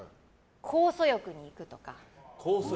酵素浴に行くとか。